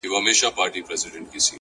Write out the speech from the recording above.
د چا د ويښ زړگي ميسج ننوت-